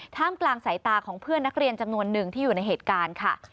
กลางสายตาของเพื่อนนักเรียนจำนวนหนึ่งที่อยู่ในเหตุการณ์ค่ะ